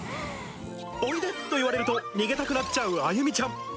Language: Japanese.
おいでといわれると逃げたくなっちゃうあゆみちゃん。